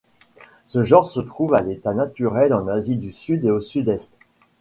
Ce genre se trouve à l'état naturel en Asie du Sud et du Sud-Est.